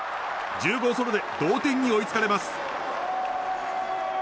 １０号ソロで同点に追いつかれます。